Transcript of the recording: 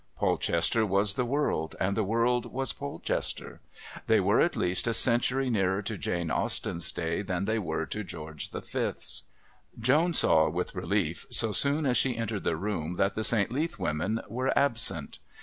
Polchester was the world and the world was Polchester. They were at least a century nearer to Jane Austen's day than they were to George the Fifth's. Joan saw, with relief, so soon as she entered the room, that the St. Leath women were absent.